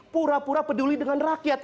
pura pura peduli dengan rakyat